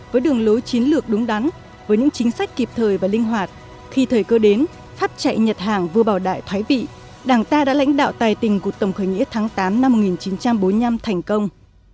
với đường lối chiến lược đúng đắn với những chính sách kịp thời và linh hoạt khi thời cơ đến pháp chạy nhật hàng vừa bảo đại thoái vị đảng ta đã lãnh đạo tài tình cuộc tổng khởi nghĩa tháng tám năm một nghìn chín trăm bốn mươi năm thành công